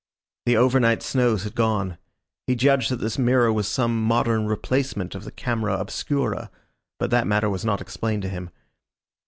The overnight snows had gone. He judged that this mirror was some modern replacement of the camera obscura, but that matter was not explained to him.